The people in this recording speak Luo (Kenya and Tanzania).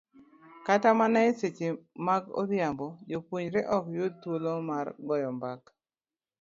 Kata mana e seche mag odhiambo, jopuonjre ok yud thuolo mar goyo mbaka